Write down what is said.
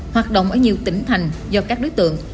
hoạt động ở nhiều tỉnh thành do các đối tượng